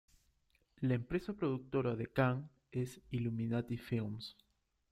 La empresa productora de Khan es Illuminati Films.